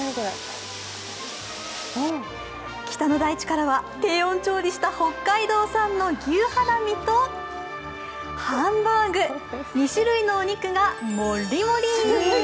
北の大地からは低温調理した北海道産の牛ハラミとハンバーグ、２種類のお肉が盛っり盛り。